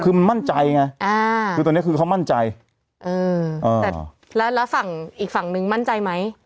คือมันมั่นใจไงอ่าคือตอนนี้คือเขามั่นใจเออแต่แล้วแล้วฝั่งอีกฝั่งนึงมั่นใจไหม